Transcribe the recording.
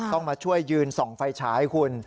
ต้องมาช่วยยืนส่องไฟฉายคุณ